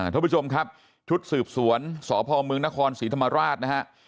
ท่านผู้ชมครับชุดสืบสวนสพเมืองนครศรีธรรมราชนะฮะ